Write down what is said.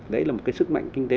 đấy là một sức mạnh kinh tế